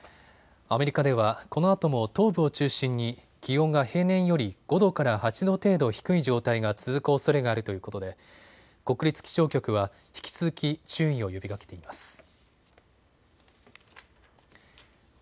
アメリカではこのあとも東部を中心に気温が平年より５度から８度程度低い状態が続くおそれがあるということで国立気象局は引き続き注意を呼びかけています。